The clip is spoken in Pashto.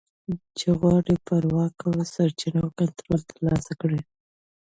چې غواړي پر واک او سرچینو کنټرول ترلاسه کړي